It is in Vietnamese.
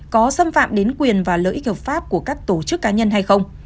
có xâm phạm đến quyền và lợi ích hợp pháp của các tổ chức cá nhân hay không